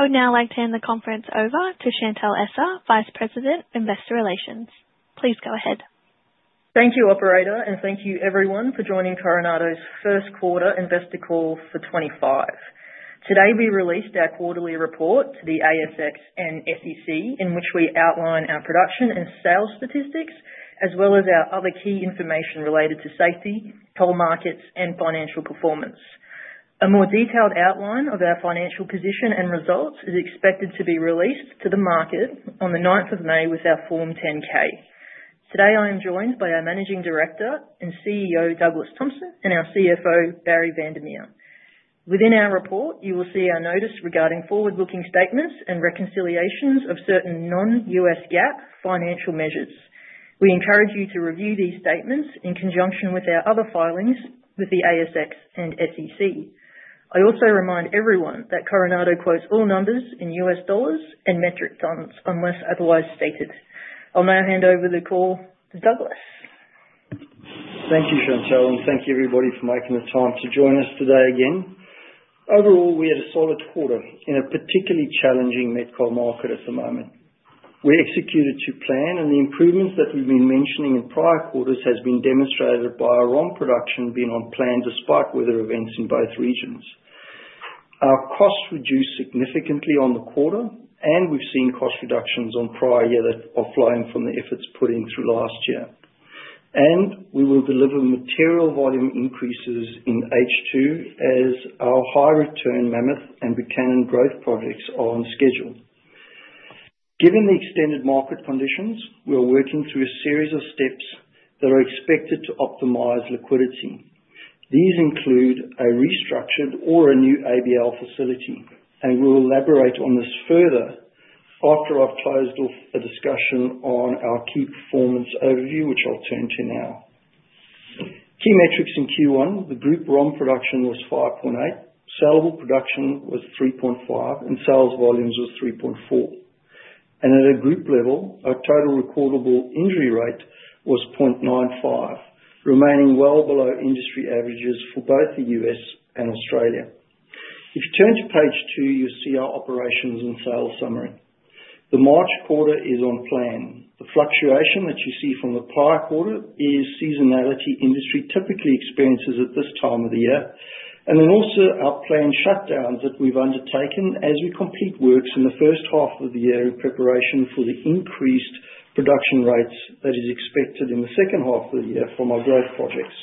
I would now like to hand the conference over to Chantelle Essa, Vice President, Investor Relations. Please go ahead. Thank you, Operator, and thank you, everyone, for joining Coronado's First Quarter Investor Call for 2025. Today we released our quarterly report to the ASX and SEC, in which we outline our production and sales statistics, as well as our other key information related to safety, coal markets, and financial performance. A more detailed outline of our financial position and results is expected to be released to the market on the 9th of May with our Form 10-K. Today I am joined by our Managing Director and CEO, Douglas Thompson, and our CFO, Barrie van der Merwe. Within our report, you will see our notice regarding forward-looking statements and reconciliations of certain non-U.S. GAAP financial measures. We encourage you to review these statements in conjunction with our other filings with the ASX and SEC. I also remind everyone that Coronado quotes all numbers in U.S. dollars and metric tons unless otherwise stated. I'll now hand over the call to Douglas. Thank you, Chantelle, and thank you, everybody, for making the time to join us today again. Overall, we had a solid quarter in a particularly challenging met coal market at the moment. We executed to plan, and the improvements that we've been mentioning in prior quarters have been demonstrated by our own production being on plan despite weather events in both regions. Our costs reduced significantly on the quarter, and we've seen cost reductions on prior year that are flowing from the efforts put in through last year. We will deliver material volume increases in H2 as our high return Mammoth and Buchanan growth projects are on schedule. Given the extended market conditions, we are working through a series of steps that are expected to optimize liquidity. These include a restructured or a new ABL facility, and we'll elaborate on this further after I've closed off a discussion on our key performance overview, which I'll turn to now. Key metrics in Q1: the Group ROM production was 5.8, sellable production was 3.5, and sales volumes were 3.4. At a group level, our total recordable injury rate was 0.95, remaining well below industry averages for both the U.S. and Australia. If you turn to page two, you'll see our operations and sales summary. The March quarter is on plan. The fluctuation that you see from the prior quarter is seasonality industry typically experiences at this time of the year, and then also our planned shutdowns that we've undertaken as we complete works in the first half of the year in preparation for the increased production rates that are expected in the second half of the year from our growth projects.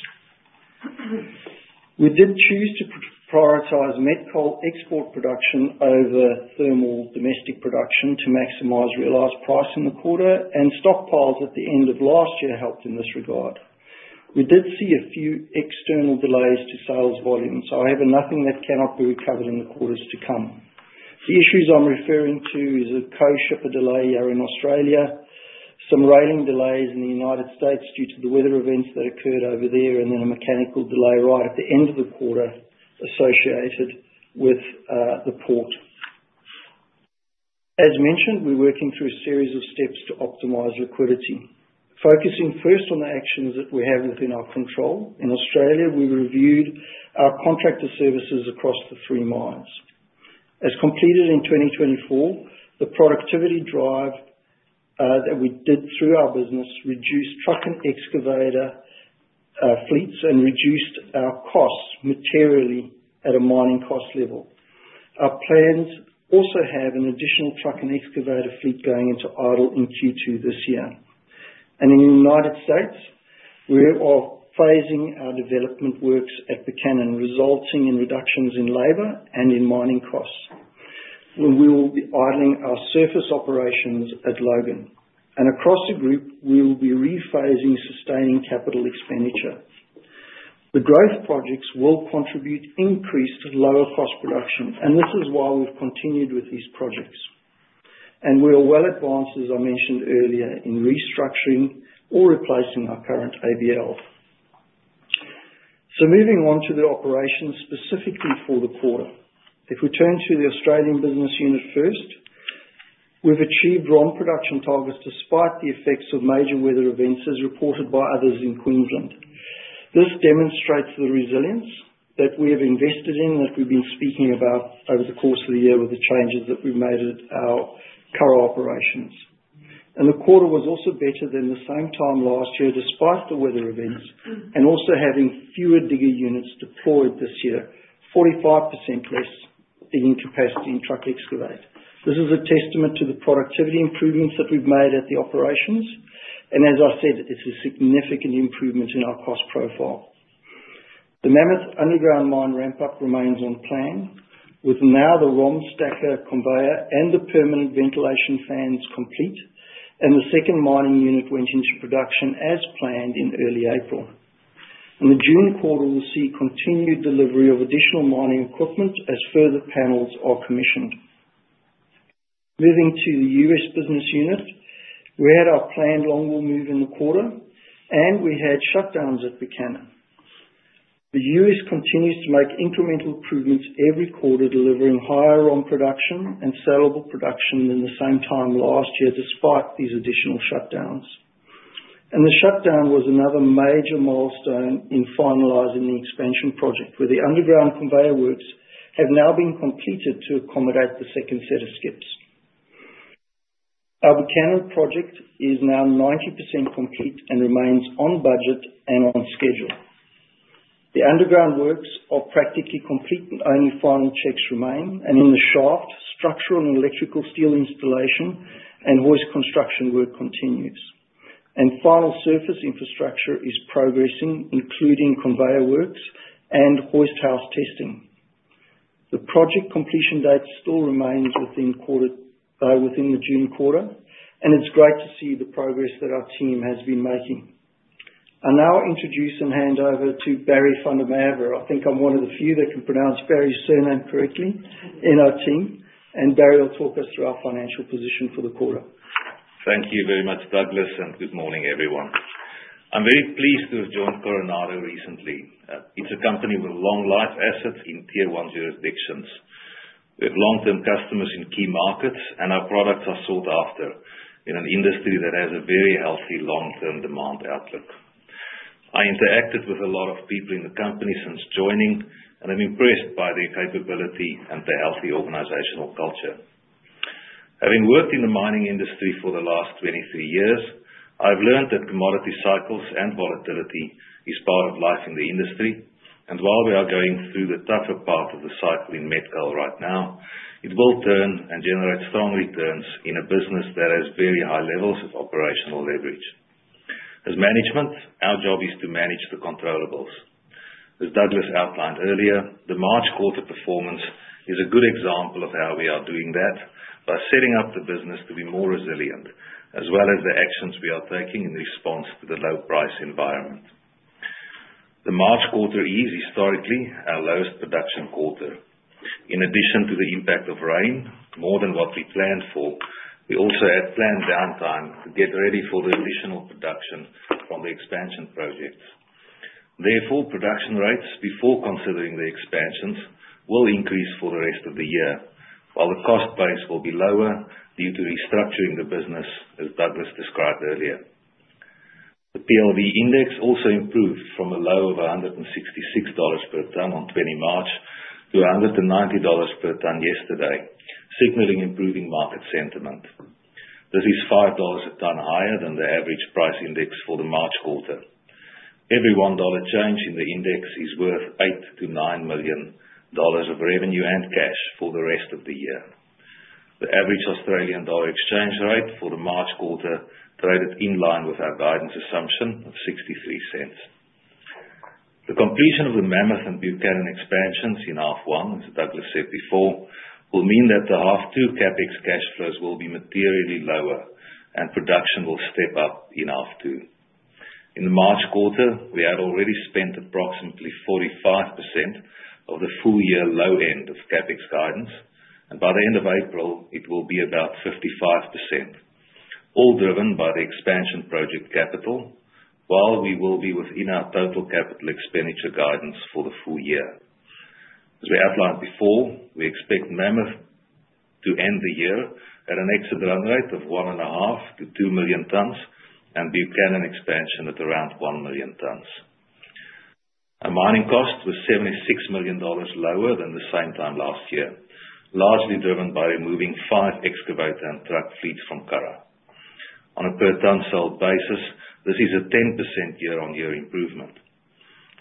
We did choose to prioritize met coal export production over thermal domestic production to maximize realized price in the quarter, and stockpiles at the end of last year helped in this regard. We did see a few external delays to sales volumes, so I have nothing that cannot be recovered in the quarters to come. The issues I'm referring to are a coal shipper delay in Australia, some railing delays in the United States due to the weather events that occurred over there, and then a mechanical delay right at the end of the quarter associated with the port. As mentioned, we're working through a series of steps to optimize liquidity, focusing first on the actions that we have within our control. In Australia, we reviewed our contractor services across the three mines. As completed in 2024, the productivity drive that we did through our business reduced truck and excavator fleets and reduced our costs materially at a mining cost level. Our plans also have an additional truck and excavator fleet going into idle in Q2 this year. In the United States, we are phasing our development works at Buchanan, resulting in reductions in labor and in mining costs. We will be idling our surface operations at Logan. Across the group, we will be rephasing sustaining capital expenditure. The growth projects will contribute increased lower cost production, and this is why we've continued with these projects. We are well advanced, as I mentioned earlier, in restructuring or replacing our current ABL. Moving on to the operations specifically for the quarter. If we turn to the Australian business unit first, we've achieved ROM production targets despite the effects of major weather events as reported by others in Queensland. This demonstrates the resilience that we have invested in and that we've been speaking about over the course of the year with the changes that we've made at our coal operations. The quarter was also better than the same time last year despite the weather events and also having fewer digger units deployed this year, 45% less digging capacity in truck excavate. This is a testament to the productivity improvements that we've made at the operations. As I said, it's a significant improvement in our cost profile. The Mammoth underground mine ramp-up remains on plan, with now the ROM stacker conveyor and the permanent ventilation fans complete, and the second mining unit went into production as planned in early April. In the June quarter, we'll see continued delivery of additional mining equipment as further panels are commissioned. Moving to the U.S. business unit, we had our planned longwall move in the quarter, and we had shutdowns at Buchanan. The U.S. continues to make incremental improvements every quarter, delivering higher ROM production and sellable production than the same time last year despite these additional shutdowns. The shutdown was another major milestone in finalizing the expansion project, where the underground conveyor works have now been completed to accommodate the second set of skips. Our Buchanan project is now 90% complete and remains on budget and on schedule. The underground works are practically complete, and only final checks remain. In the shaft, structural and electrical steel installation and hoist construction work continues. Final surface infrastructure is progressing, including conveyor works and hoist house testing. The project completion date still remains within the June quarter, and it's great to see the progress that our team has been making. I'll now introduce and hand over to Barrie van der Merwe. I think I'm one of the few that can pronounce Barrie van der Merwe's surname correctly in our team. Barrie will talk us through our financial position for the quarter. Thank you very much, Douglas, and good morning, everyone. I'm very pleased to have joined Coronado recently. It's a company with long-life assets in Tier 1 jurisdictions. We have long-term customers in key markets, and our products are sought after in an industry that has a very healthy long-term demand outlook. I interacted with a lot of people in the company since joining, and I'm impressed by their capability and the healthy organizational culture. Having worked in the mining industry for the last 23 years, I've learned that commodity cycles and volatility are part of life in the industry. While we are going through the tougher part of the cycle in met coal right now, it will turn and generate strong returns in a business that has very high levels of operational leverage. As management, our job is to manage the controllables. As Douglas outlined earlier, the March quarter performance is a good example of how we are doing that by setting up the business to be more resilient, as well as the actions we are taking in response to the low-price environment. The March quarter is historically our lowest production quarter. In addition to the impact of rain, more than what we planned for, we also had planned downtime to get ready for the additional production from the expansion projects. Therefore, production rates before considering the expansions will increase for the rest of the year, while the cost base will be lower due to restructuring the business, as Douglas described earlier. The PLV index also improved from a low of $166 per ton on 20 March to $190 per ton yesterday, signaling improving market sentiment. This is $5 per ton higher than the average price index for the March quarter. Every $1 change in the index is worth $8-$9 million of revenue and cash for the rest of the year. The average Australian dollar exchange rate for the March quarter traded in line with our guidance assumption of 0.63. The completion of the Mammoth and Buchanan expansions in Half One, as Douglas said before, will mean that the Half Two CapEx cash flows will be materially lower, and production will step up in Half Two. In the March quarter, we had already spent approximately 45% of the full-year low end of CapEx guidance, and by the end of April, it will be about 55%, all driven by the expansion project capital, while we will be within our total capital expenditure guidance for the full year. As we outlined before, we expect Mammoth to end the year at an exit run rate of 1.5-2 million tons, and Buchanan expansion at around 1 million tons. Our mining cost was $76 million lower than the same time last year, largely driven by removing five excavator and truck fleets from Cara. On a per-ton sold basis, this is a 10% year-on-year improvement.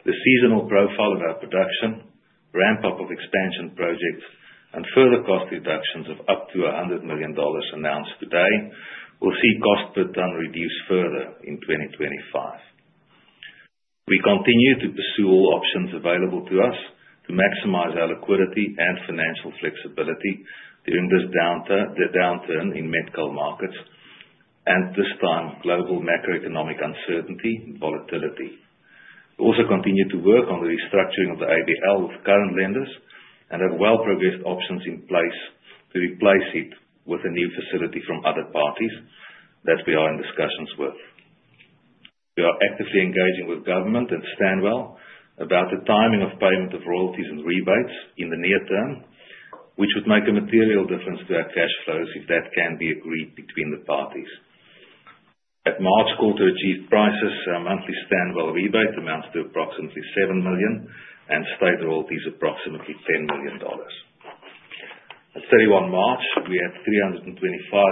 The seasonal profile of our production, ramp-up of expansion projects, and further cost reductions of up to $100 million announced today will see cost per ton reduced further in 2025. We continue to pursue all options available to us to maximize our liquidity and financial flexibility during this downturn in met coal markets and this time global macroeconomic uncertainty and volatility. We also continue to work on the restructuring of the ABL with current lenders and have well-progressed options in place to replace it with a new facility from other parties that we are in discussions with. We are actively engaging with government and Stanwell about the timing of payment of royalties and rebates in the near term, which would make a material difference to our cash flows if that can be agreed between the parties. At March quarter achieved prices, our monthly Stanwell rebate amounts to approximately $7 million and state royalties approximately $10 million. At 31 March, we had $325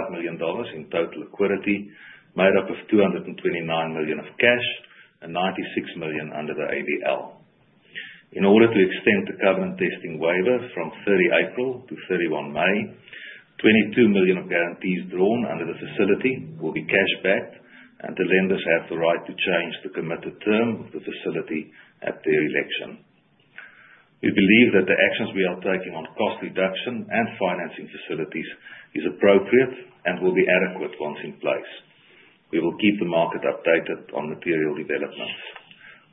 million in total liquidity made up of $229 million of cash and $96 million under the ABL. In order to extend the Covenant Testing waiver from 30 April to 31 May, $22 million of guarantees drawn under the facility will be cash backed, and the lenders have the right to change the committed term of the facility at their election. We believe that the actions we are taking on cost reduction and financing facilities are appropriate and will be adequate once in place. We will keep the market updated on material developments.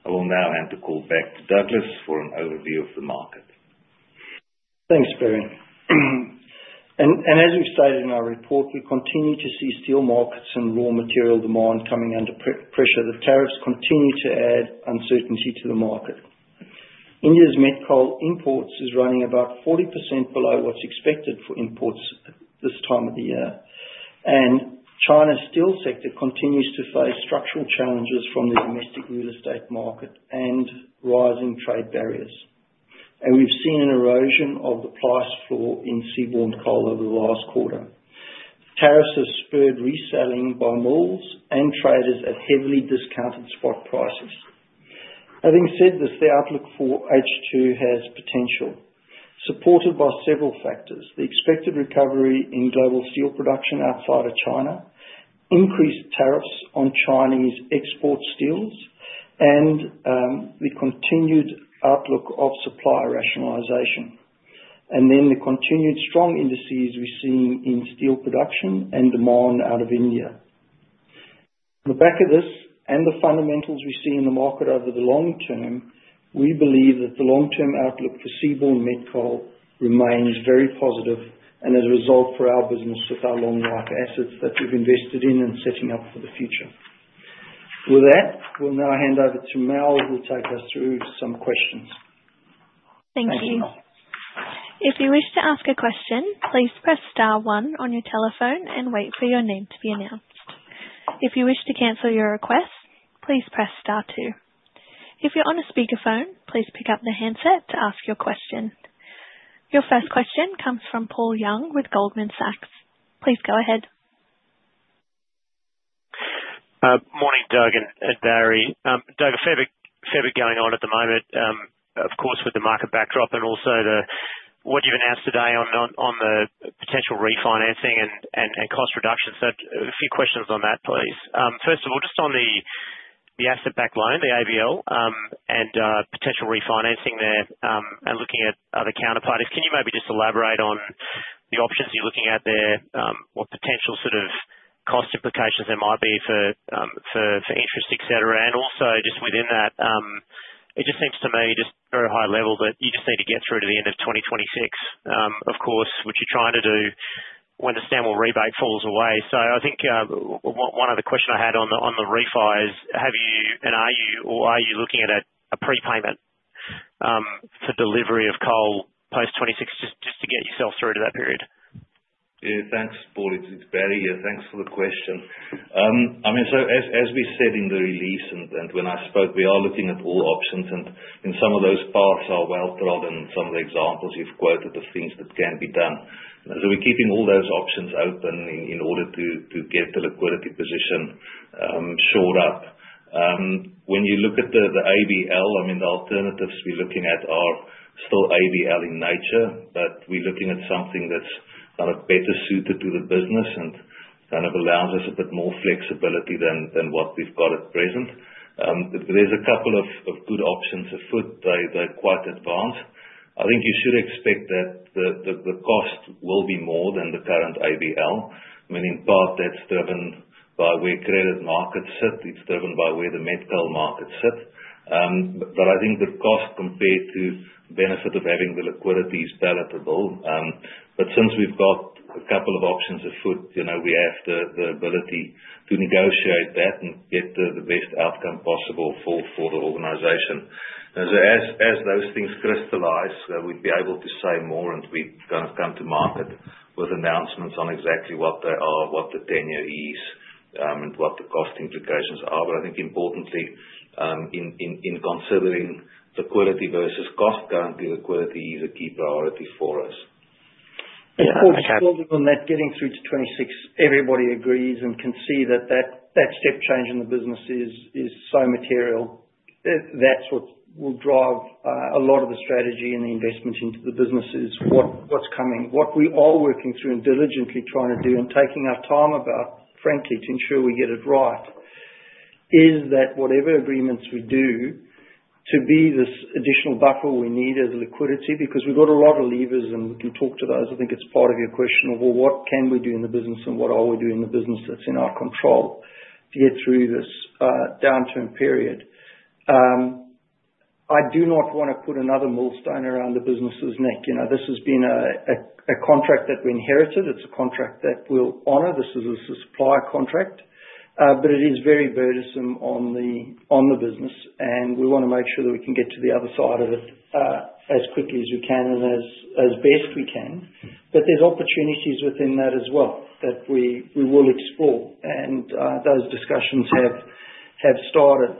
I will now hand the call back to Douglas for an overview of the market. Thanks, Barrie. As we've stated in our report, we continue to see steel markets and raw material demand coming under pressure. The tariffs continue to add uncertainty to the market. India's met coal imports are running about 40% below what's expected for imports at this time of the year. China's steel sector continues to face structural challenges from the domestic real estate market and rising trade barriers. We've seen an erosion of the price floor in seaborne coal over the last quarter. Tariffs have spurred reselling by mills and traders at heavily discounted spot prices. Having said this, the outlook for H2 has potential, supported by several factors: the expected recovery in global steel production outside of China, increased tariffs on Chinese export steels, the continued outlook of supply rationalization, and the continued strong indices we're seeing in steel production and demand out of India. On the back of this and the fundamentals we see in the market over the long term, we believe that the long-term outlook for seaborne met coal remains very positive and a result for our business with our long-life assets that we've invested in and setting up for the future. With that, we'll now hand over to Mel, who will take us through some questions. Thank you. If you wish to ask a question, please press star one on your telephone and wait for your name to be announced. If you wish to cancel your request, please press star two. If you're on a speakerphone, please pick up the handset to ask your question. Your first question comes from Paul Young with Goldman Sachs. Please go ahead. Good morning, Doug and Barrie. Doug, a fair bit going on at the moment, of course, with the market backdrop and also what you've announced today on the potential refinancing and cost reduction. A few questions on that, please. First of all, just on the asset-backed loan, the ABL, and potential refinancing there and looking at other counterparties, can you maybe just elaborate on the options you're looking at there, what potential sort of cost implications there might be for interest, etc.? Also, just within that, it just seems to me just very high level that you just need to get through to the end of 2026, of course, which you're trying to do when the Stanwell rebate falls away. I think one other question I had on the refi is, have you and are you or are you looking at a prepayment for delivery of coal post 2026 just to get yourself through to that period? Yeah, thanks, Paul. It's Barrie. Yeah, thanks for the question. I mean, as we said in the release and when I spoke, we are looking at all options. In some of those parts, I'll throw in some of the examples you've quoted of things that can be done. We are keeping all those options open in order to get the liquidity position shored up. When you look at the ABL, the alternatives we're looking at are still ABL in nature, but we're looking at something that's kind of better suited to the business and kind of allows us a bit more flexibility than what we've got at present. There are a couple of good options afoot. They're quite advanced. I think you should expect that the cost will be more than the current ABL. I mean, in part, that's driven by where credit markets sit. It's driven by where the met coal markets sit. I think the cost compared to the benefit of having the liquidity is palatable. Since we've got a couple of options afoot, we have the ability to negotiate that and get the best outcome possible for the organization. As those things crystallize, we'd be able to say more and we'd kind of come to market with announcements on exactly what they are, what the tenure is, and what the cost implications are. I think importantly, in considering liquidity versus cost, currently, liquidity is a key priority for us. Yeah, Paul, just building on that, getting through to 2026, everybody agrees and can see that that step change in the business is so material. That is what will drive a lot of the strategy and the investment into the businesses. What is coming, what we are working through and diligently trying to do and taking our time about, frankly, to ensure we get it right, is that whatever agreements we do to be this additional buffer we need as liquidity, because we have got a lot of levers and we can talk to those. I think it is part of your question of, you know, what can we do in the business and what are we doing in the business that is in our control to get through this downturn period? I do not want to put another millstone around the business's neck. This has been a contract that we inherited. It's a contract that we'll honor. This is a supply contract, but it is very burdensome on the business. We want to make sure that we can get to the other side of it as quickly as we can and as best we can. There are opportunities within that as well that we will explore. Those discussions have started.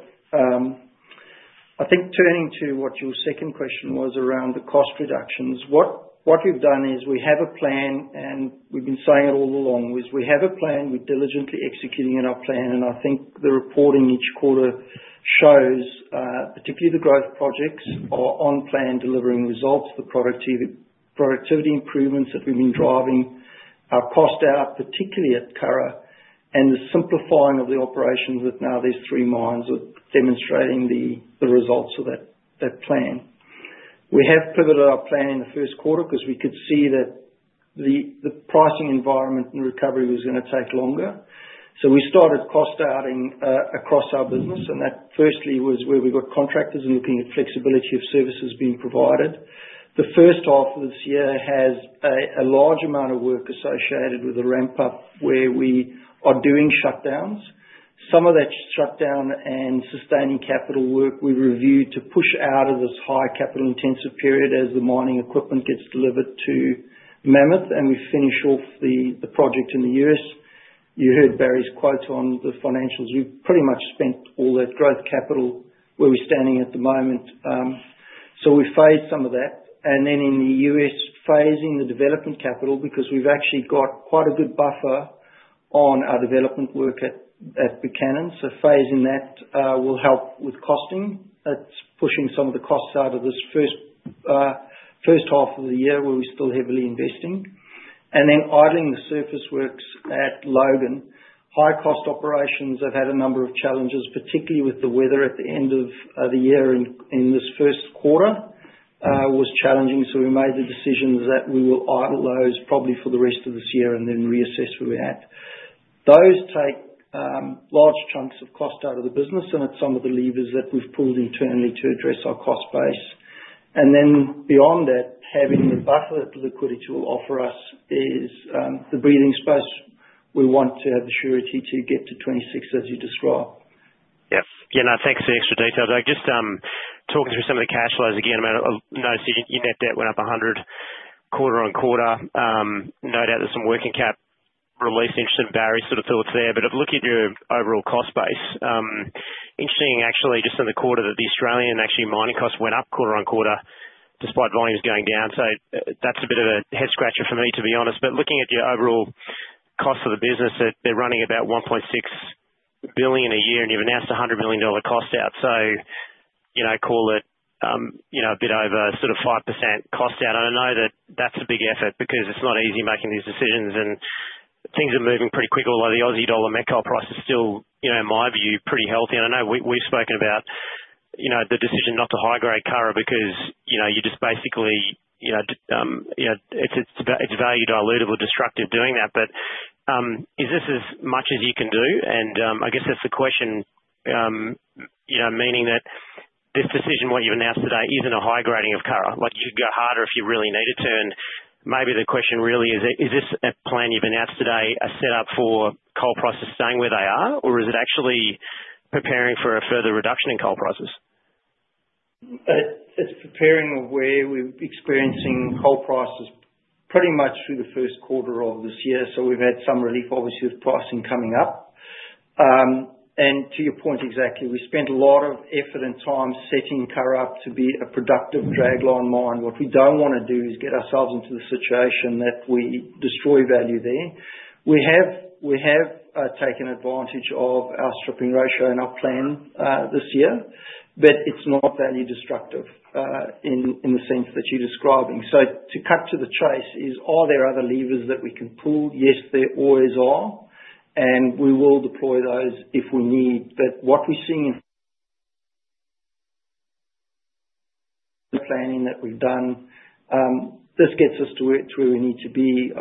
I think turning to what your second question was around the cost reductions, what we've done is we have a plan, and we've been saying it all along, is we have a plan. We're diligently executing in our plan. I think the reporting each quarter shows, particularly the growth projects, are on plan, delivering results, the productivity improvements that we've been driving, our cost out, particularly at Curragh, and the simplifying of the operations with now these three mines are demonstrating the results of that plan. We have pivoted our plan in the First Quarter because we could see that the pricing environment and recovery was going to take longer. We started cost outing across our business. That firstly was where we got contractors and looking at flexibility of services being provided. The First Half of this year has a large amount of work associated with a ramp-up where we are doing shutdowns. Some of that shutdown and sustaining capital work we've reviewed to push out of this high capital-intensive period as the mining equipment gets delivered to Mammoth and we finish off the project in the U.S.. You heard Barrie's quote on the financials. We've pretty much spent all that growth capital. Where are we standing at the moment? We phased some of that. In the U.S., phasing the development capital because we've actually got quite a good buffer on our development work at Buchanan. Phasing that will help with costing. It's pushing some of the costs out of this First Half of the year where we're still heavily investing. Idling the surface works at Logan. High-cost operations have had a number of challenges, particularly with the weather at the end of the year and this First Quarter was challenging. We made the decisions that we will idle those probably for the rest of this year and then reassess where we're at. Those take large chunks of cost out of the business, and it's some of the levers that we've pulled internally to address our cost base. Beyond that, having the buffer that liquidity will offer us is the breathing space we want to have the surety to get to 2026, as you described. Yes. Yeah, no, thanks for the extra detail. Doug, just talking through some of the cash flows again, I noticed your net debt went up $100 million quarter on quarter. No doubt there's some working cap release interest in Barrie's sort of thoughts there. Looking at your overall cost base, interesting actually just in the quarter that the Australian actually mining costs went up quarter on quarter despite volumes going down. That's a bit of a head-scratcher for me, to be honest. Looking at your overall cost of the business, they're running about $1.6 billion a year, and you've announced a $100 million cost out. Call it a bit over sort of 5% cost out. I know that that's a big effort because it's not easy making these decisions, and things are moving pretty quick. Although the Aussie dollar met coal price is still, in my view, pretty healthy. I know we've spoken about the decision not to high-grade Cara because you just basically, it's value dilutive or destructive doing that. Is this as much as you can do? I guess that's the question, meaning that this decision, what you've announced today, is not a high-grading of Cara. You could go harder if you really needed to. Maybe the question really is, is this plan you've announced today a setup for coal prices staying where they are, or is it actually preparing for a further reduction in coal prices? It's preparing where we're experiencing coal prices pretty much through the first quarter of this year. We've had some relief, obviously, with pricing coming up. To your point, exactly, we spent a lot of effort and time setting CORA up to be a productive dragline mine. What we do not want to do is get ourselves into the situation that we destroy value there. We have taken advantage of our stripping ratio and our plan this year, but it's not value destructive in the sense that you're describing. To cut to the chase, are there other levers that we can pull? Yes, there always are, and we will deploy those if we need. What we're seeing in the planning that we've done, this gets us to where we need to be.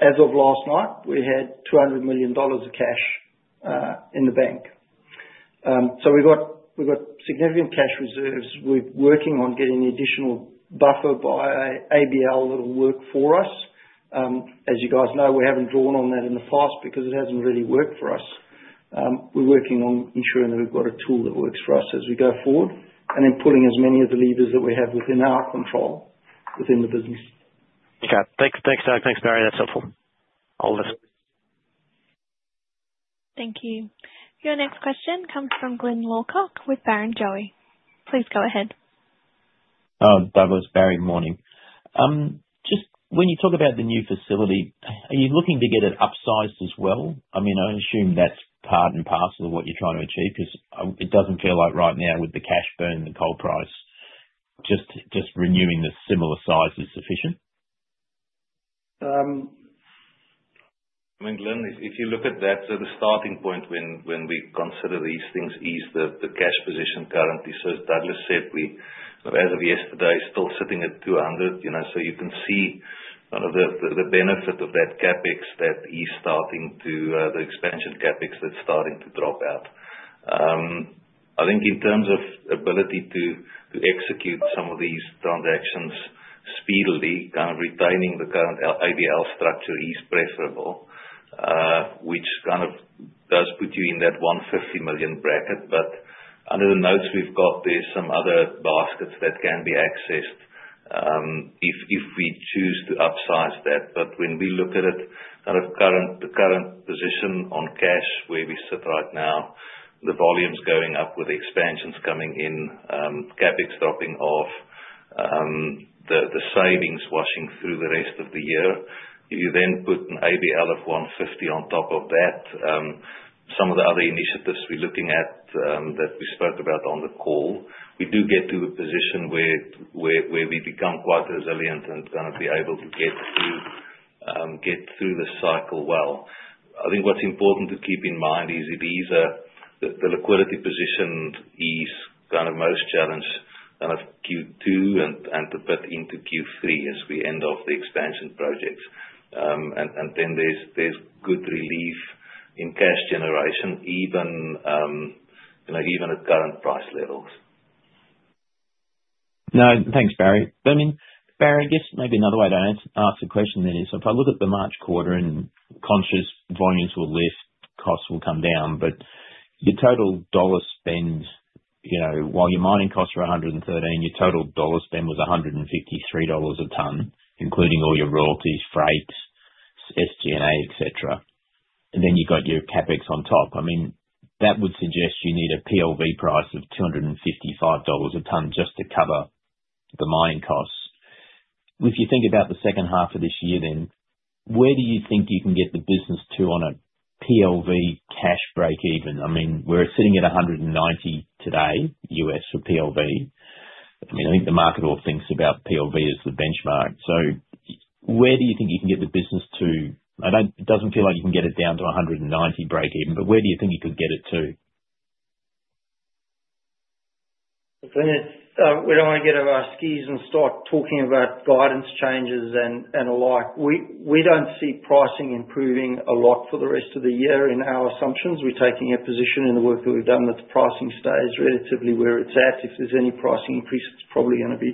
As of last night, we had $200 million of cash in the bank. We have significant cash reserves. We are working on getting the additional buffer by ABL that will work for us. As you guys know, we have not drawn on that in the past because it has not really worked for us. We are working on ensuring that we have a tool that works for us as we go forward and then pulling as many of the levers that we have within our control within the business. Okay. Thanks, Doug. Thanks, Barrie. That's helpful. I'll leave. Thank you. Your next question comes from Glyn Lawcock with Barrenjoey. Please go ahead. Douglas, Barrie, morning. Just when you talk about the new facility, are you looking to get it upsized as well? I mean, I assume that's part and parcel of what you're trying to achieve because it doesn't feel like right now with the cash burn and the coal price, just renewing the similar size is sufficient. I mean, Glyn, if you look at that, the starting point when we consider these things is the cash position currently. As Douglas said, as of yesterday, still sitting at $200. You can see kind of the benefit of that CapEx, that is starting to the expansion CapEx that's starting to drop out. I think in terms of ability to execute some of these transactions speedily, kind of retaining the current ABL structure is preferable, which kind of does put you in that $150 million bracket. Under the notes we've got, there's some other baskets that can be accessed if we choose to upsize that. When we look at it, kind of the current position on cash where we sit right now, the volume's going up with expansions coming in, CapEx dropping off, the savings washing through the rest of the year. If you then put an ABL of 150 on top of that, some of the other initiatives we're looking at that we spoke about on the call, we do get to a position where we become quite resilient and kind of be able to get through the cycle well. I think what's important to keep in mind is it is the liquidity position is kind of most challenged kind of Q2 and to put into Q3 as we end off the expansion projects. There is good relief in cash generation, even at current price levels. No, thanks, Barrie. I mean, Barrie, I guess maybe another way to answer the question then is, if I look at the March quarter and conscious volumes will lift, costs will come down. Your total dollar spend, while your mining costs were $113, your total dollar spend was $153 a ton, including all your royalties, freights, SG&A, etc. You have your CapEx on top. That would suggest you need a PLV price of $255 a ton just to cover the mining costs. If you think about the second half of this year then, where do you think you can get the business to on a PLV cash break even? I mean, we're sitting at 190 today, U.S. for PLV. I think the market all thinks about PLV as the benchmark. Where do you think you can get the business to? It doesn't feel like you can get it down to $190 break even, but where do you think you could get it to? Glynn, we do not want to get out of our skis and start talking about guidance changes and the like. We do not see pricing improving a lot for the rest of the year in our assumptions. We are taking a position in the work that we have done that the pricing stays relatively where it is at. If there is any pricing increase, it is probably going to be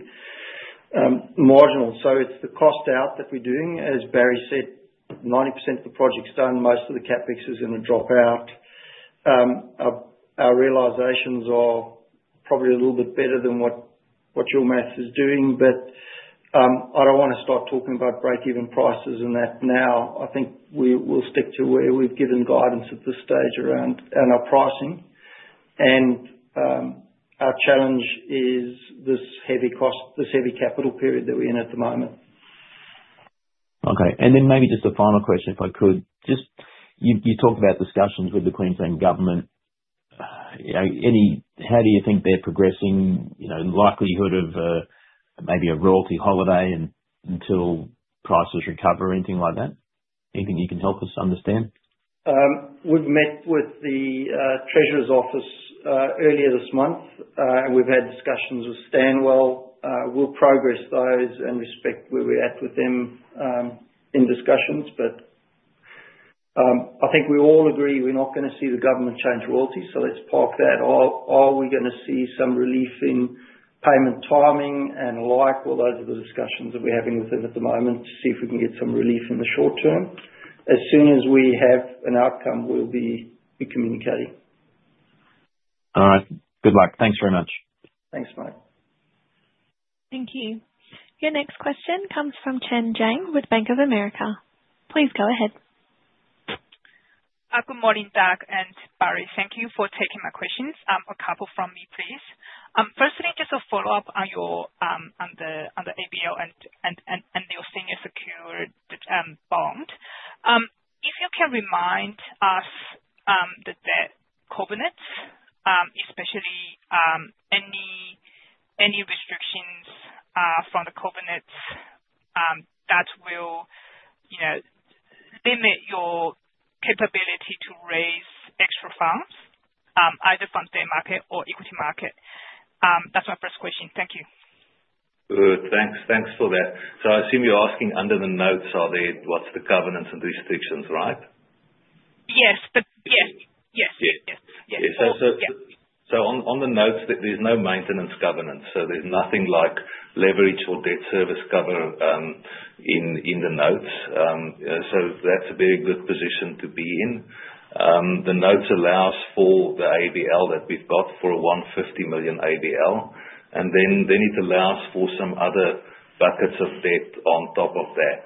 marginal. It is the cost out that we are doing. As Barrie said, 90% of the project's done. Most of the CapEx is going to drop out. Our realizations are probably a little bit better than what your math is doing, but I do not want to start talking about break-even prices and that now. I think we will stick to where we have given guidance at this stage around our pricing. Our challenge is this heavy capital period that we are in at the moment. Okay. Maybe just a final question, if I could. You talked about discussions with the Queensland government. How do you think they're progressing? The likelihood of maybe a royalty holiday until prices recover or anything like that? Anything you can help us understand? We've met with the Treasurer's Office earlier this month, and we've had discussions with Stanwell. We'll progress those and respect where we're at with them in discussions. I think we all agree we're not going to see the government change royalties, so let's park that. Are we going to see some relief in payment timing and the like? Those are the discussions that we're having with them at the moment to see if we can get some relief in the short term. As soon as we have an outcome, we'll be communicating. All right. Good luck. Thanks very much. Thanks, mate. Thank you. Your next question comes from Chen Jiang with Bank of America. Please go ahead. Good morning, Doug and Barrie. Thank you for taking my questions. A couple from me, please. Firstly, just a follow-up on the ABL and your senior secure bond. If you can remind us that the covenants, especially any restrictions from the covenants that will limit your capability to raise extra funds, either from the market or equity market. That's my first question. Thank you. Good. Thanks for that. I assume you're asking under the notes, are there what's the governance and restrictions, right? Yes. Yes. Yes. Yes. On the notes, there is no Maintenance Covenant. There is nothing like leverage or debt service cover in the notes. That is a very good position to be in. The notes allow for the ABL that we have for a $150 million ABL. It allows for some other buckets of debt on top of that.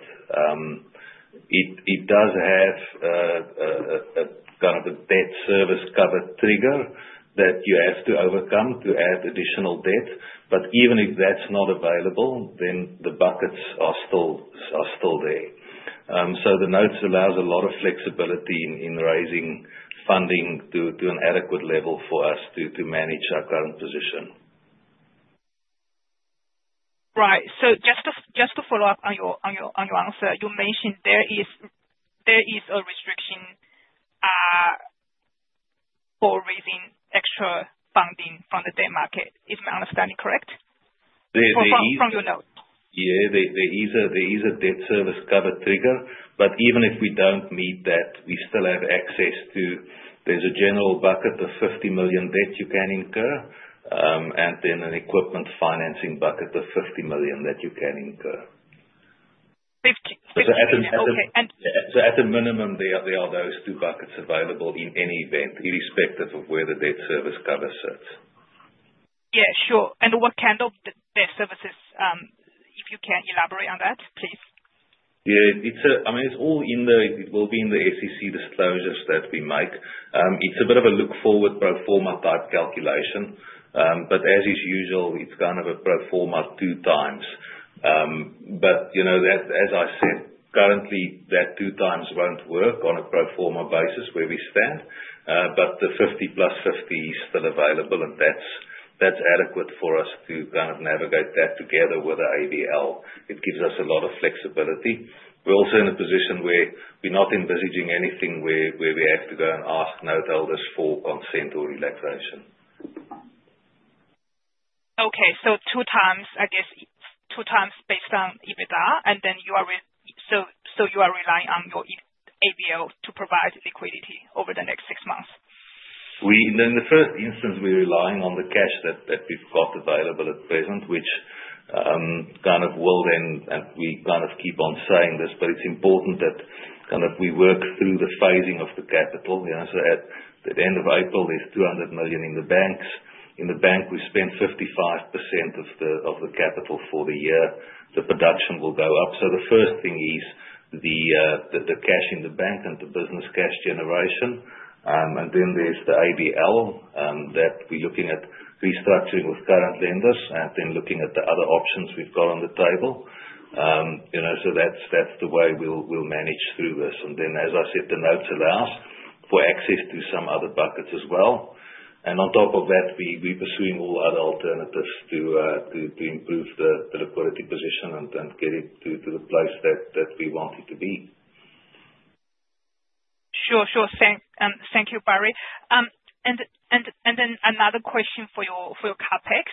It does have kind of a debt service cover trigger that you have to overcome to add additional debt. Even if that is not available, the buckets are still there. The notes allow a lot of flexibility in raising funding to an adequate level for us to manage our current position. Right. Just to follow up on your answer, you mentioned there is a restriction for raising extra funding from the debt market. Is my understanding correct? From your notes. From your notes. Yeah. There is a debt service cover trigger. Even if we do not meet that, we still have access to, there is a general bucket of $50 million debt you can incur, and then an equipment financing bucket of $50 million that you can incur. 50. Okay. [cross talking] At a minimum, there are those two buckets available in any event, irrespective of where the debt service cover sits. Yeah. Sure. What kind of debt services, if you can elaborate on that, please? Yeah. I mean, it's all in the—it will be in the SEC disclosures that we make. It's a bit of a look-forward pro forma type calculation. As is usual, it's kind of a pro forma two times. As I said, currently, that two times won't work on a pro forma basis where we stand. The 50 plus 50 is still available, and that's adequate for us to kind of navigate that together with the ABL. It gives us a lot of flexibility. We're also in a position where we're not envisaging anything where we have to go and ask noteholders for consent or relaxation. Okay. Two times, I guess two times based on EBITDA, and then you are relying on your ABL to provide liquidity over the next six months. In the first instance, we're relying on the cash that we've got available at present, which kind of will then, and we kind of keep on saying this, but it's important that kind of we work through the phasing of the capital. At the end of April, there's $200 million in the bank. We spent 55% of the capital for the year. The production will go up. The first thing is the cash in the bank and the business cash generation. There is the ABL that we're looking at restructuring with current lenders and then looking at the other options we've got on the table. That's the way we'll manage through this. As I said, the notes allow for access to some other buckets as well. We are pursuing all other alternatives to improve the liquidity position and get it to the place that we want it to be. Sure. Sure. Thank you, Barrie. Another question for your CapEx.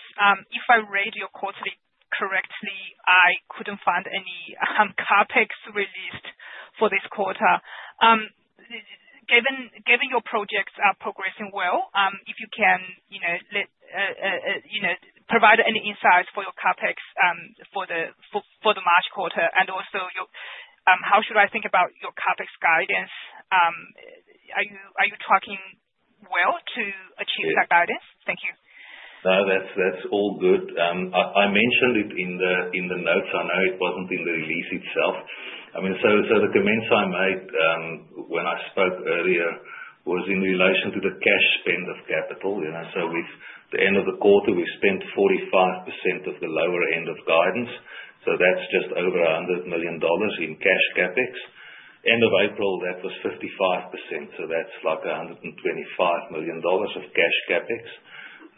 If I read your quarterly correctly, I could not find any CapEx released for this quarter. Given your projects are progressing well, if you can provide any insights for your CapEx for the March quarter and also how should I think about your CapEx guidance? Are you tracking well to achieve that guidance? Thank you. No, that's all good. I mentioned it in the notes. I know it was not in the release itself. I mean, the comments I made when I spoke earlier were in relation to the cash spend of capital. With the end of the quarter, we have spent 45% of the lower end of guidance. That is just over $100 million in cash CapEx. End of April, that was 55%. That is like $125 million of cash CapEx.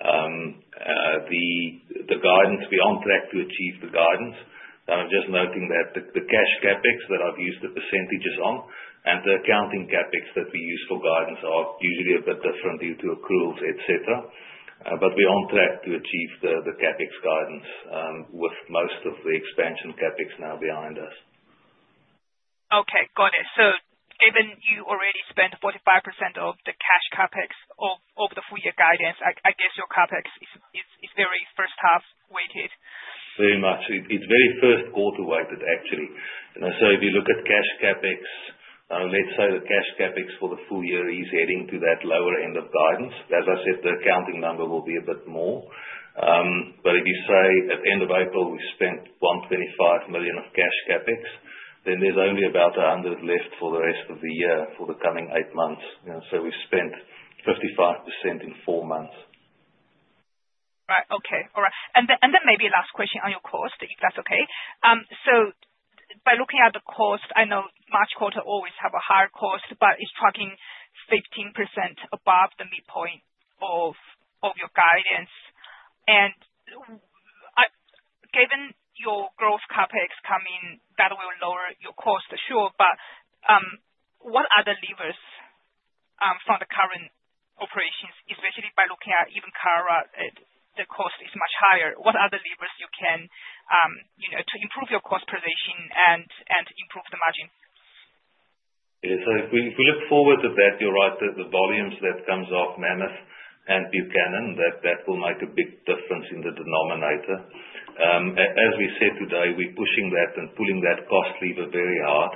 The guidance, we are on track to achieve the guidance. I am just noting that the cash CapEx that I have used the percentages on and the accounting CapEx that we use for guidance are usually a bit different due to accruals, etc. We are on track to achieve the CapEx guidance with most of the expansion CapEx now behind us. Okay. Got it. Given you already spent 45% of the cash CapEx over the full year guidance, I guess your CapEx is very first half weighted. Very much. It's very first quarter weighted, actually. If you look at cash CapEx, let's say the cash CapEx for the full year is heading to that lower end of guidance. As I said, the accounting number will be a bit more. If you say at end of April, we spent $125 million of cash CapEx, then there's only about $100 million left for the rest of the year for the coming eight months. We spent 55% in four months. Right. Okay. All right. Maybe a last question on your cost, if that's okay. By looking at the cost, I know March quarter always have a higher cost, but it's tracking 15% above the midpoint of your guidance. Given your growth CapEx coming, that will lower your cost, sure. What other levers from the current operations, especially by looking at even Cara, the cost is much higher? What other levers you can to improve your cost position and improve the margin? Yeah. If we look forward to that, you're right, the volumes that comes off Mammoth and Buchanan, that will make a big difference in the denominator. As we said today, we're pushing that and pulling that cost lever very hard.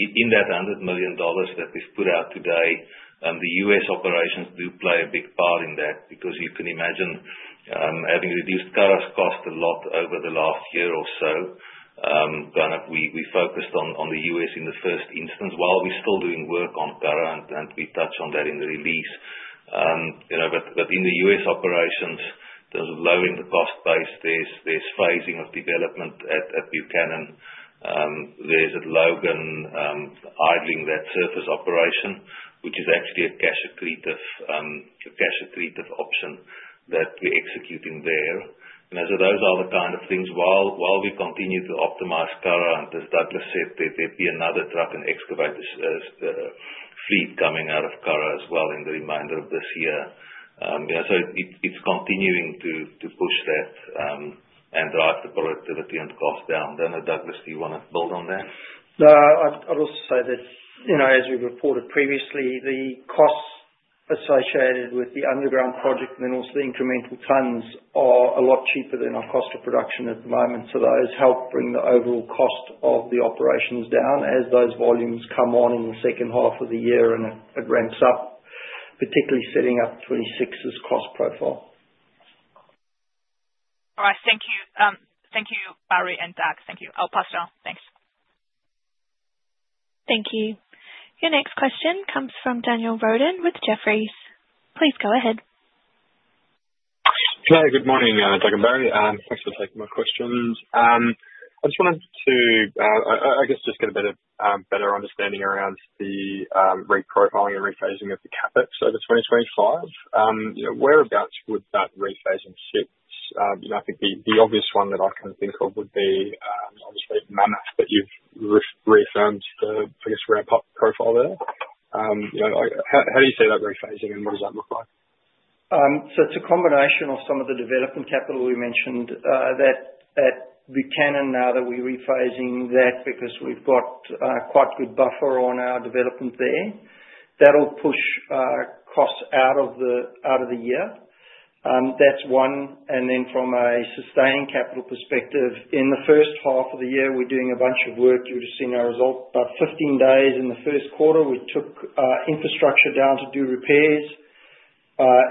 In that $100 million that we've put out today, the US operations do play a big part in that because you can imagine having reduced Cara's cost a lot over the last year or so. Kind of we focused on the U.S. in the first instance while we're still doing work on Cara and we touch on that in the release. In the U.S. operations, in terms of lowering the cost base, there's phasing of development at Buchanan. There's at Logan, idling that surface operation, which is actually a cash accretive option that we're executing there. Those are the kind of things while we continue to optimize Cara. As Douglas said, there'd be another truck and excavator fleet coming out of Cara as well in the remainder of this year. It's continuing to push that and drive the productivity and cost down. I don't know, Douglas, do you want to build on that? No. I'd also say that as we reported previously, the costs associated with the underground project and then also the incremental tons are a lot cheaper than our cost of production at the moment. Those help bring the overall cost of the operations down as those volumes come on in the second half of the year and it ramps up, particularly setting up 2026's cost profile. All right. Thank you. Thank you, Barrie and Doug. Thank you. I'll pass it on. Thanks. Thank you. Your next question comes from Daniel Roden with Jefferies. Please go ahead. Hi. Good morning, Doug and Barrie. Thanks for taking my questions. I just wanted to, I guess, just get a better understanding around the reprofiling and rephasing of the CapEx over 2025. Whereabouts would that rephasing sit? I think the obvious one that I can think of would be obviously Mammoth that you've reaffirmed the, I guess, ramp-up profile there. How do you see that rephasing and what does that look like? It is a combination of some of the development capital we mentioned, that Buchanan now that we're rephasing that because we've got quite good buffer on our development there. That will push costs out of the year. That is one. From a sustained capital perspective, in the First Half of the year, we're doing a bunch of work. You've just seen our results. About 15 days in the First Quarter, we took infrastructure down to do repairs.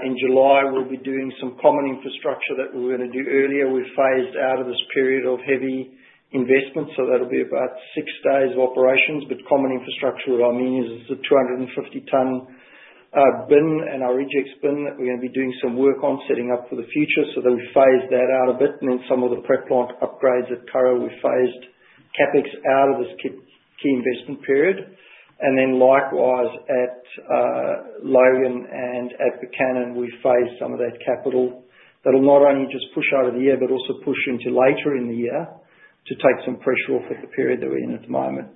In July, we will be doing some common infrastructure that we were going to do earlier. We've phased out of this period of heavy investment, so that will be about six days of operations. By common infrastructure, what I mean is the 250-ton bin and our rejects bin that we're going to be doing some work on setting up for the future. They will phase that out a bit. Some of the prep plant upgrades at Cara, we phased CapEx out of this key investment period. Likewise at Logan and at Buchanan, we phased some of that capital. That will not only just push out of the year but also push into later in the year to take some pressure off of the period that we are in at the moment.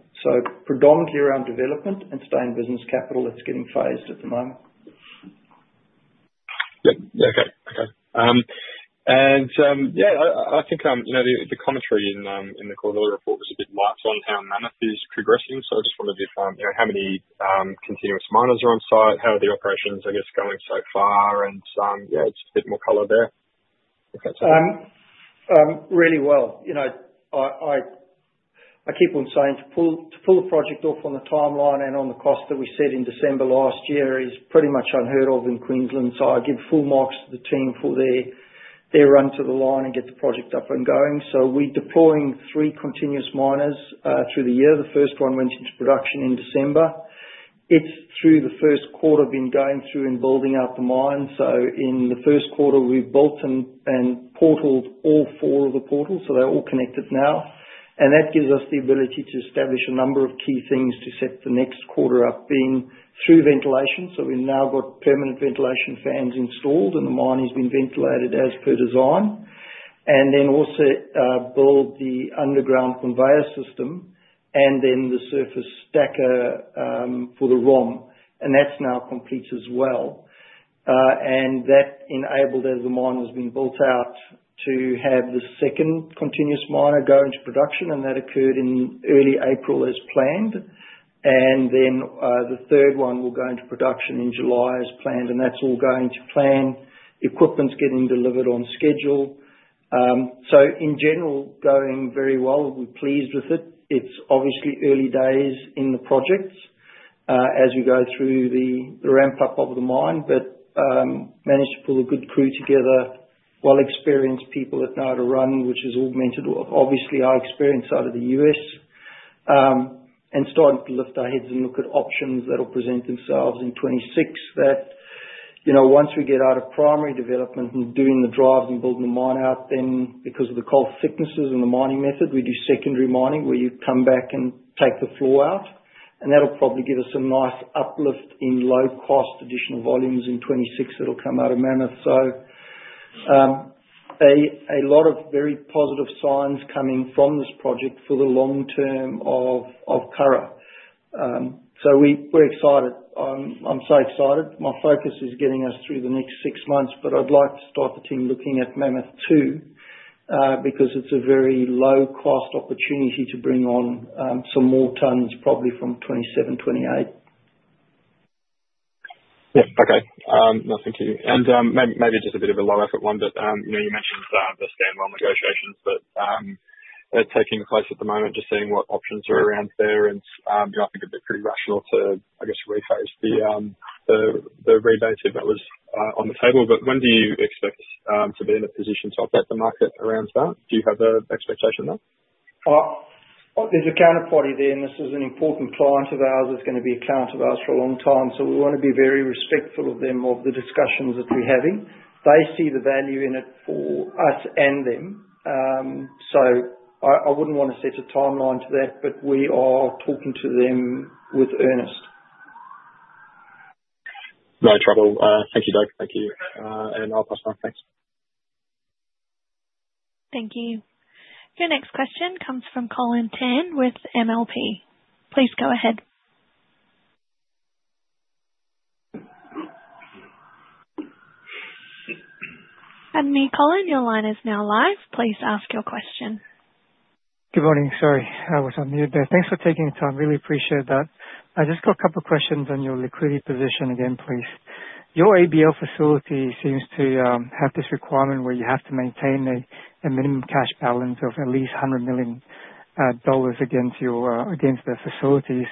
Predominantly around development and staying business capital, that is getting phased at the moment. Yep. Yeah. Okay. Okay. I think the commentary in the Coronado report was a bit light on how Mammoth is progressing. I just wondered if how many continuous miners are on site, how are the operations, I guess, going so far. It's a bit more color there. Okay. Really well. I keep on saying to pull the project off on the timeline and on the cost that we set in December last year is pretty much unheard of in Queensland. I give full marks to the team for their run to the line and get the project up and going. We are deploying three continuous miners through the year. The first one went into production in December. It has through the First Quarter been going through and building up the mine. In the First Quarter, we have built and portaled all four of the portals. They are all connected now. That gives us the ability to establish a number of key things to set the next quarter up being through ventilation. We have now got permanent ventilation fans installed and the mine has been ventilated as per design. We also built the underground conveyor system and then the surface stacker for the ROM. That is now complete as well. That enabled, as the mine has been built out, the second continuous miner to go into production. That occurred in early April as planned. The third one will go into production in July as planned. That is all going to plan. Equipment is getting delivered on schedule. In general, going very well. We are pleased with it. It's obviously early days in the projects as we go through the ramp-up of the mine, but managed to pull a good crew together, well-experienced people at Mammoth, which has augmented obviously our experience out of the U.S. and started to lift our heads and look at options that'll present themselves in 2026 that once we get out of primary development and doing the drives and building the mine out, then because of the coal thicknesses and the mining method, we do secondary mining where you come back and take the floor out. That'll probably give us a nice uplift in low-cost additional volumes in 2026 that'll come out of Mammoth. A lot of very positive signs coming from this project for the long term of Cara. We're excited. I'm so excited. My focus is getting us through the next six months, but I'd like to start the team looking at Mammoth II because it's a very low-cost opportunity to bring on some more tons, probably from 2027, 2028. Yeah. Okay. No, thank you. Maybe just a bit of a low-effort one, but you mentioned the Stanwell negotiations that are taking place at the moment, just seeing what options are around there. I think it'd be pretty rational to, I guess, rephase the rebate if that was on the table. When do you expect to be in a position to update the market around that? Do you have an expectation there? There's a counterparty there, and this is an important client of ours. It's going to be a client of ours for a long time. We want to be very respectful of them, of the discussions that we're having. They see the value in it for us and them. I wouldn't want to set a timeline to that, but we are talking to them with earnest. No trouble. Thank you, Doug. Thank you. I'll pass it on. Thanks. Thank you. Your next question comes from Colin Tan with MLP. Please go ahead. Colin, your line is now live. Please ask your question. Good morning. Sorry I was on mute there. Thanks for taking the time. Really appreciate that. I just got a couple of questions on your liquidity position again, please. Your ABL facility seems to have this requirement where you have to maintain a minimum cash balance of at least $100 million against the facilities.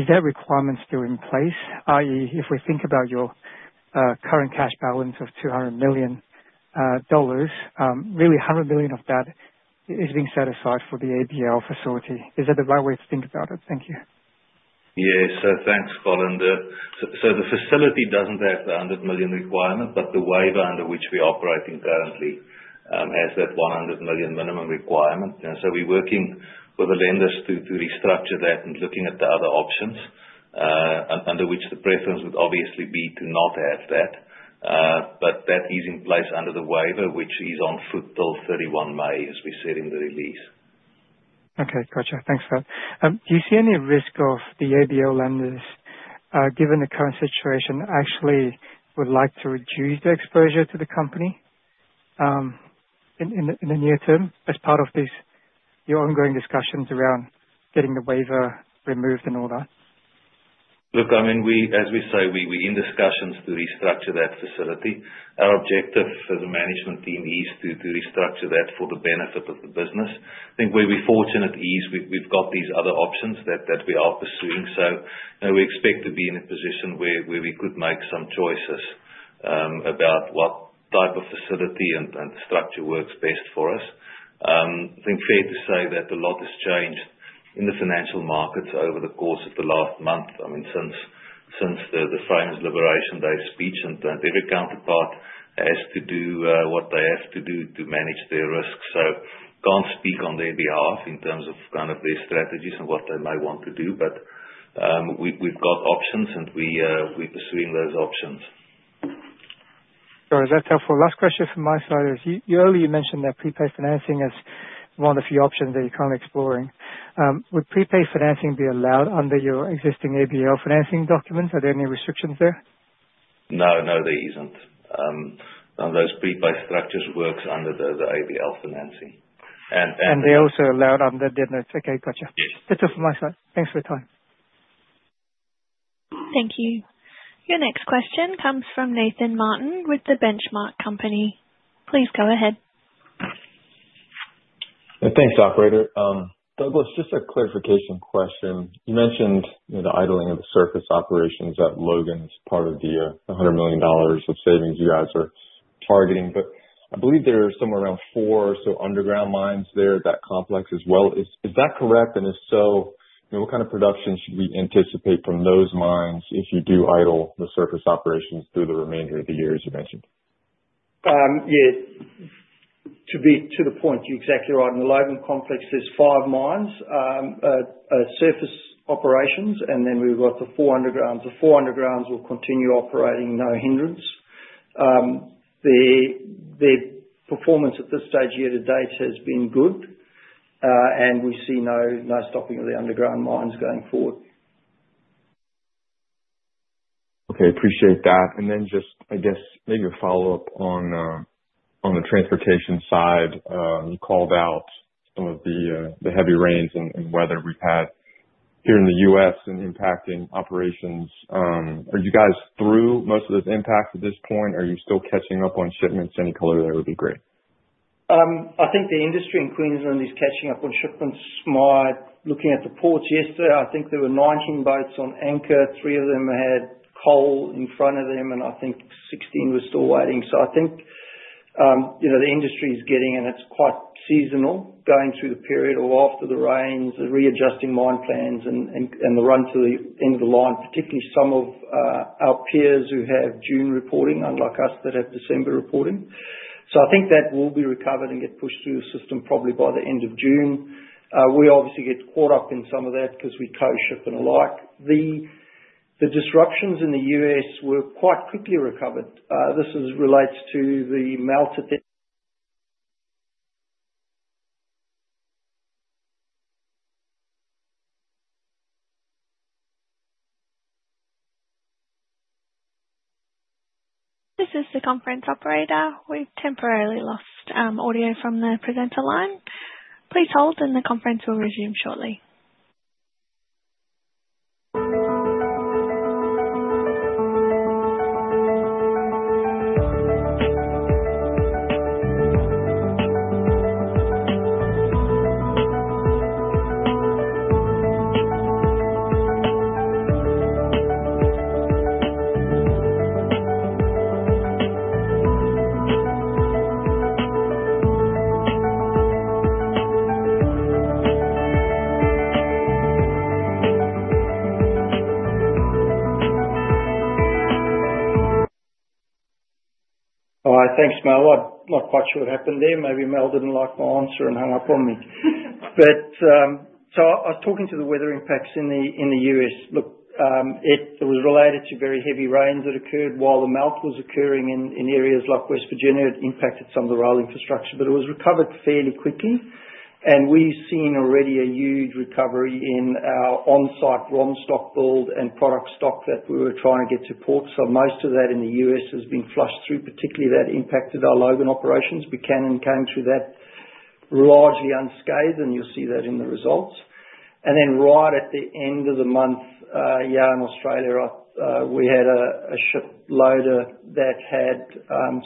Is that requirement still in place? If we think about your current cash balance of $200 million, really $100 million of that is being set aside for the ABL facility. Is that the right way to think about it? Thank you. Yeah. Thanks, Colin. The facility does not have the $100 million requirement, but the waiver under which we are operating currently has that $100 million minimum requirement. We are working with the lenders to restructure that and looking at the other options under which the preference would obviously be to not have that. That is in place under the waiver, which is on foot till 31 May, as we said in the release. Okay. Gotcha. Thanks for that. Do you see any risk of the ABL lenders, given the current situation, actually would like to reduce the exposure to the company in the near term as part of your ongoing discussions around getting the waiver removed and all that? Look, I mean, as we say, we're in discussions to restructure that facility. Our objective as a management team is to restructure that for the benefit of the business. I think where we're fortunate is we've got these other options that we are pursuing. We expect to be in a position where we could make some choices about what type of facility and structure works best for us. I think fair to say that a lot has changed in the financial markets over the course of the last month, I mean, since the Frame's Liberation Day speech. Every counterpart has to do what they have to do to manage their risk. I can't speak on their behalf in terms of kind of their strategies and what they may want to do. We've got options, and we're pursuing those options. Sorry, that's helpful. Last question from my side is you earlier mentioned that prepay financing is one of the few options that you're currently exploring. Would prepay financing be allowed under your existing ABL financing documents? Are there any restrictions there? No, no, there isn't. None of those prepay structures works under the ABL facility. They're also allowed under debt notes. Okay. Gotcha. Yes. That's it from my side. Thanks for your time. Thank you. Your next question comes from Nathan Martin with Benchmark Company. Please go ahead. Thanks, operator. Douglas, just a clarification question. You mentioned the idling of the surface operations at Logan is part of the $100 million of savings you guys are targeting. I believe there are somewhere around four or so underground mines there at that complex as well. Is that correct? If so, what kind of production should we anticipate from those mines if you do idle the surface operations through the remainder of the year as you mentioned? Yeah. To be to the point, you're exactly right. In the Logan complex, there's five mines, surface operations, and then we've got the four undergrounds. The four undergrounds will continue operating no hindrance. The performance at this stage year to date has been good, and we see no stopping of the underground mines going forward. Okay. Appreciate that. I guess, maybe a follow-up on the transportation side. You called out some of the heavy rains and weather we've had here in the U.S. and impacting operations. Are you guys through most of those impacts at this point? Are you still catching up on shipments? Any color there would be great. I think the industry in Queensland is catching up on shipments. Looking at the ports yesterday, I think there were 19 boats on anchor. Three of them had coal in front of them, and I think 16 were still waiting. I think the industry is getting, and it's quite seasonal going through the period or after the rains, the readjusting mine plans, and the run to the end of the line, particularly some of our peers who have June reporting, unlike us that have December reporting. I think that will be recovered and get pushed through the system probably by the end of June. We obviously get caught up in some of that because we co-ship and alike. The disruptions in the U.S. were quite quickly recovered. This relates to the melt at the. This is the conference operator. We've temporarily lost audio from the presenter line. Please hold, and the conference will resume shortly. All right. Thanks, Mel. I'm not quite sure what happened there. Maybe Mel didn't like my answer and hung up on me. I was talking to the weather impacts in the U.S. Look, it was related to very heavy rains that occurred while the melt was occurring in areas like West Virginia. It impacted some of the rail infrastructure, but it was recovered fairly quickly. We've seen already a huge recovery in our on-site ROM stock build and product stock that we were trying to get to port. Most of that in the U.S. has been flushed through, particularly that impacted our Logan operations. Buchanan came through that largely unscathed, and you'll see that in the results. Right at the end of the month, in Australia, we had a ship loader that had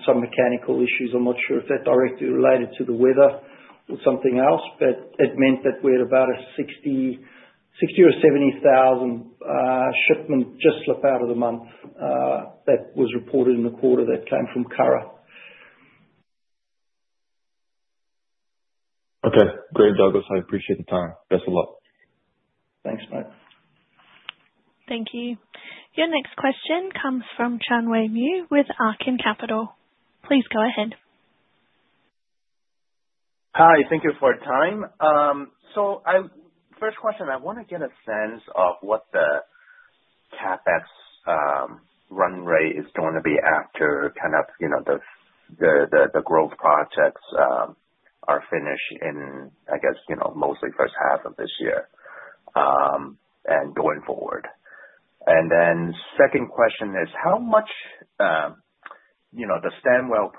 some mechanical issues. I'm not sure if that directly related to the weather or something else, but it meant that we had about a 60,000 or 70,000 shipment just slip out of the month that was reported in the quarter that came from Cara. Okay. Great, Douglas. I appreciate the time. Best of luck. Thanks, mate. Thank you. Your next question comes from Chan Mew Wei with Arkin Capital. Please go ahead. Hi. Thank you for your time. First question, I want to get a sense of what the CapEx run rate is going to be after kind of the growth projects are finished in, I guess, mostly first half of this year and going forward. Second question is, how much the Stanwell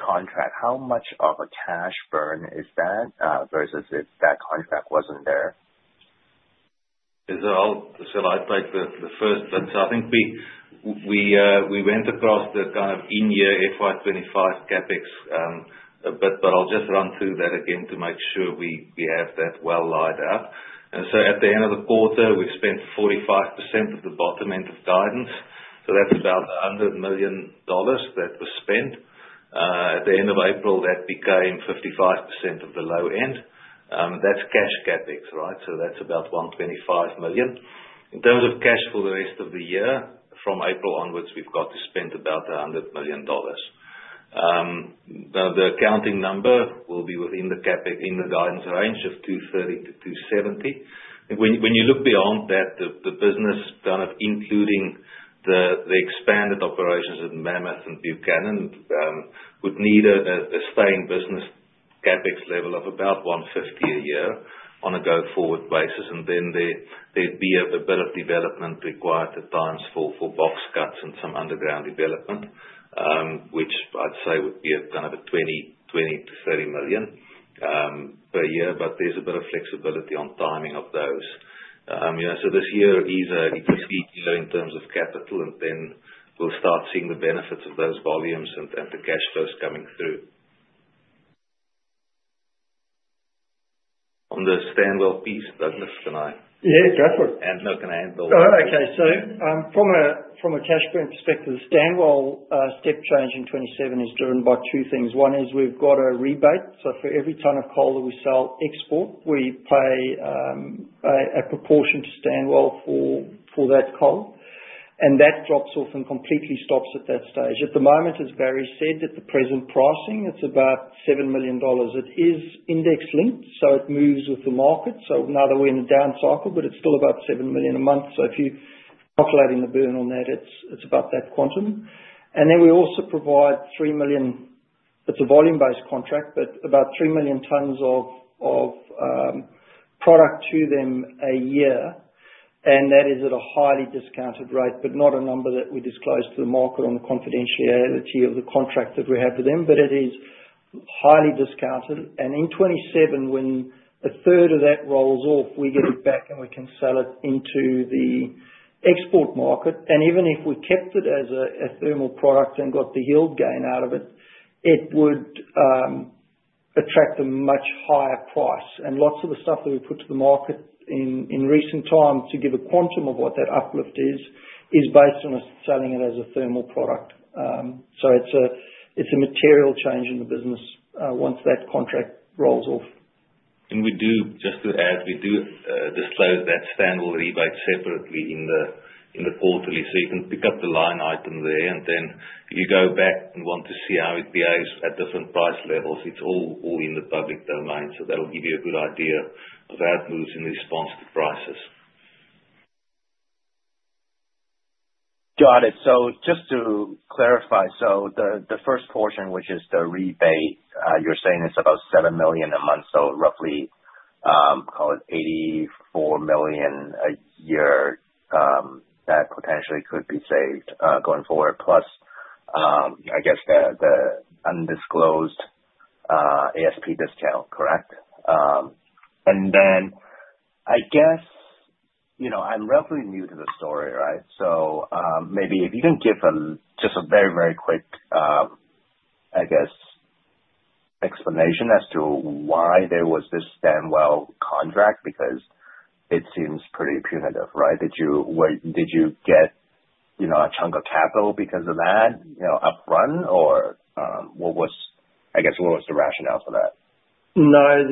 contract, how much of a cash burn is that versus if that contract was not there? I'll take the first. I think we went across the kind of in-year FY2025 CapEx a bit, but I'll just run through that again to make sure we have that well lined up. At the end of the quarter, we've spent 45% of the bottom end of guidance. That's about $100 million that was spent. At the end of April, that became 55% of the low end. That's cash CapEx, right? That's about $125 million. In terms of cash for the rest of the year, from April onwards, we've got to spend about $100 million. Now, the accounting number will be within the guidance range of $230-$270 million. When you look beyond that, the business, kind of including the expanded operations in Mammoth and Buchanan, would need a staying business CapEx level of about $150 million a year on a go-forward basis. There would be a bit of development required at times for box cuts and some underground development, which I'd say would be kind of a $20 million-$30 million per year. There is a bit of flexibility on timing of those. This year is a procedure in terms of capital, and then we'll start seeing the benefits of those volumes and the cash flows coming through. On the Stanwell, Douglas, can I? Yeah. Go for it. Can I end all that? Oh, okay. From a cash burn perspective, the Stanwell step change in 2027 is driven by two things. One is we've got a rebate. For every tonne of coal that we sell export, we pay a proportion to Stanwell for that coal. That drops off and completely stops at that stage. At the moment, as Barrie said, at the present pricing, it's about $7 million. It is index-linked, so it moves with the market. Now that we're in a down cycle, it's still about $7 million a month. If you're calculating the burn on that, it's about that quantum. We also provide 3 million—it's a volume-based contract—but about 3 million tons of product to them a year. That is at a highly discounted rate, but not a number that we disclose to the market on the confidentiality of the contract that we have with them. It is highly discounted. In 2027, when a third of that rolls off, we get it back, and we can sell it into the export market. Even if we kept it as a thermal product and got the yield gain out of it, it would attract a much higher price. Lots of the stuff that we put to the market in recent time to give a quantum of what that uplift is, is based on us selling it as a thermal product. It is a material change in the business once that contract rolls off. We do, just to add, we do disclose that Stanwell rebate separately in the Quarterly. You can pick up the line item there, and then if you go back and want to see how it behaves at different price levels, it is all in the public domain. That will give you a good idea of how it moves in response to prices. Got it. Just to clarify, the first portion, which is the rebate, you're saying it's about $7 million a month, so roughly call it $84 million a year that potentially could be saved going forward, plus I guess the undisclosed ASP discount, correct? I guess I'm relatively new to the story, right? Maybe if you can give just a very, very quick explanation as to why there was this standalone contract, because it seems pretty punitive, right? Did you get a chunk of capital because of that upfront, or what was the rationale for that? No.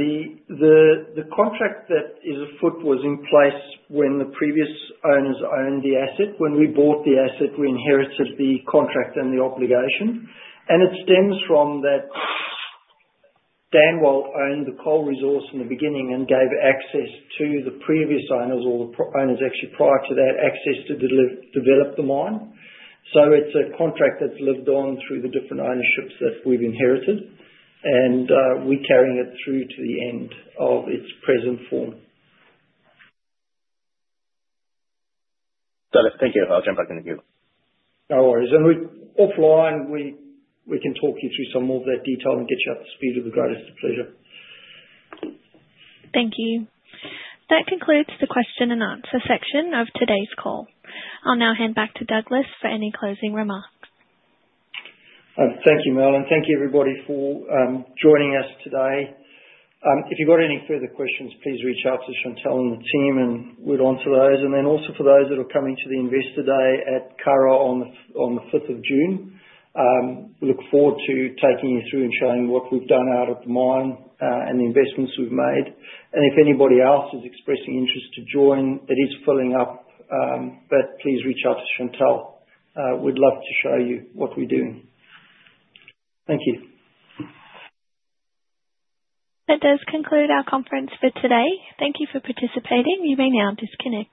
The contract that is afoot was in place when the previous owners owned the asset. When we bought the asset, we inherited the contract and the obligation. It stems from that standalone owned the coal resource in the beginning and gave access to the previous owners, or the owners actually prior to that, access to develop the mine. It is a contract that has lived on through the different ownerships that we have inherited, and we are carrying it through to the end of its present form. Got it. Thank you. I'll jump back in the queue. No worries. Offline, we can talk you through some more of that detail and get you up to speed with the greatest of pleasure. Thank you. That concludes the question and answer section of today's call. I'll now hand back to Douglas for any closing remarks. Thank you, Mel. Thank you, everybody, for joining us today. If you've got any further questions, please reach out to Chantelle and the team, and we'll answer those. For those that are coming to the Investor Day at Cara on the 5th of June, we look forward to taking you through and showing what we've done out at the mine and the investments we've made. If anybody else is expressing interest to join, it is filling up, but please reach out to Chantelle. We'd love to show you what we're doing. Thank you. That does conclude our conference for today. Thank you for participating. You may now disconnect.